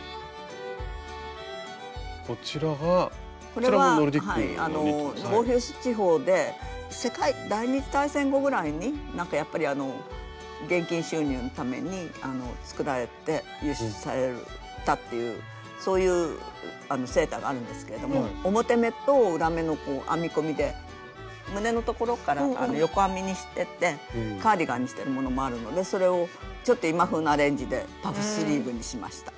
これはボーヒュース地方で世界第２次大戦後ぐらいにやっぱり現金収入のために作られて輸出されたっていうそういうセーターがあるんですけれども表目と裏目の編み込みで胸のところから横編みにしてってカーディガンにしてるものもあるのでそれをちょっと今風なアレンジでパフスリーブにしました。